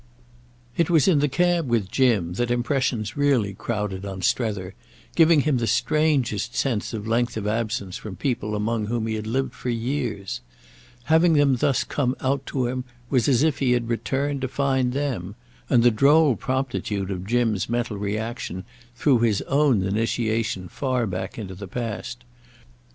It was in the cab with Jim that impressions really crowded on Strether, giving him the strangest sense of length of absence from people among whom he had lived for years. Having them thus come out to him was as if he had returned to find them: and the droll promptitude of Jim's mental reaction threw his own initiation far back into the past.